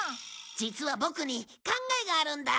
実はボクに考えがあるんだ。